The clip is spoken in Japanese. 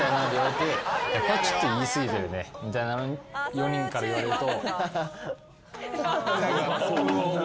みたいなのを４人から言われると。